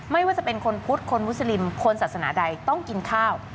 ไม่ว่าจะเป็นคนพุทธคนมุสลิมคนศาสนาใดต้องกินข้าว